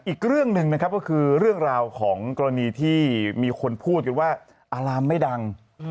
อีกเรื่องหนึ่งนะครับก็คือเรื่องราวของกรณีที่มีคนพูดกันว่าอารามไม่ดัง